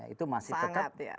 itu masih tetap